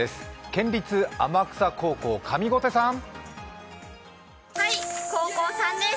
県立天草高校、上小手さん。